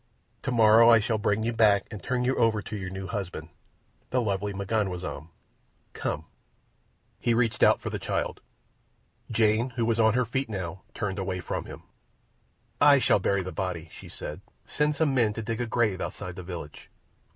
Tomorrow I shall bring you back and turn you over to your new husband—the lovely M'ganwazam. Come!" He reached out for the child. Jane, who was on her feet now, turned away from him. "I shall bury the body," she said. "Send some men to dig a grave outside the village."